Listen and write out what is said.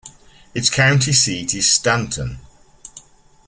Its county seat is Stanton.